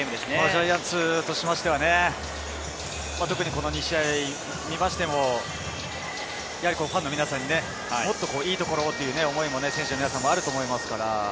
ジャイアンツとしてはこの２試合を見てもファンの皆さんにもっといいところをという思いが選手の皆さんもあると思いますから。